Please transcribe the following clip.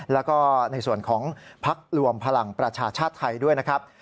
แล้วก็ในส่วนของพักรวมพลังประชาชาติไทยด้วยนะครับ